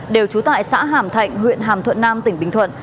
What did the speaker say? đều trú tại xã hàm thạnh huyện hàm thuận nam tỉnh bình thuận